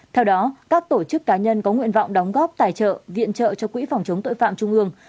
theo đó các tổ chức cá nhân có nguyện vọng đóng góp tài trợ viện trợ cho quỹ phòng chống tội phạm trung ương